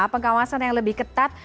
pengawasan yang lebih ketat